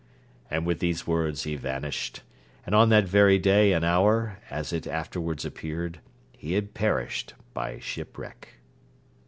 And with these words he vanished; and on that very day and hour, as it afterwards appeared, he had perished by shipwreck.